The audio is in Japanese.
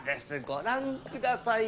ご覧ください。